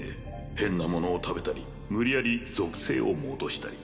変なものを食べたり無理やり属性を戻したり